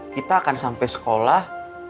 kita akan sampai sekolah